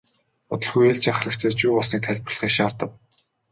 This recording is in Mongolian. Удалгүй ээлжийн ахлагч ирж юу болсныг тайлбарлахыг шаардав.